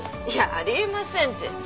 いやあり得ませんって。